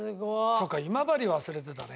そうか今治忘れてたね。